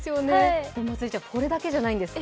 まつりちゃん、これだけじゃないんですよ。